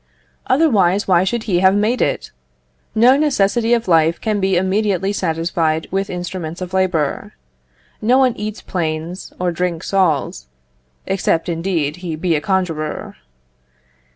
Otherwise, why should he have made it? No necessity of life can be immediately satisfied with instruments of labour; no one eats planes or drinks saws, except, indeed, he be a conjuror.